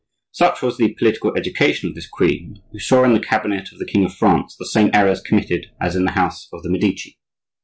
Such was the political education of this queen, who saw in the cabinet of the king of France the same errors committed as in the house of the Medici.